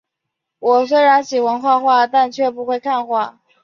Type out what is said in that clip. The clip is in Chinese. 我虽然喜欢画画，但却不会看画